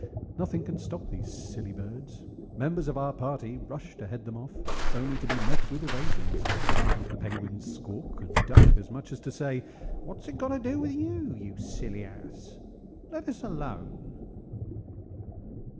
Nothing can stop these silly birds. Members of our party rush to head them off, only to be met with evasions the penguins squawk and duck as much as to say, 'What's it got to do with you, you silly ass? Let us alone.'